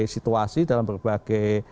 situasi dalam berbagai